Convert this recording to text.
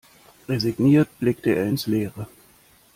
Resigniert blickte er ins Leere.